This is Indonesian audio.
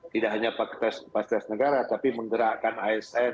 tidak hanya fasilitas negara tapi menggerakkan asn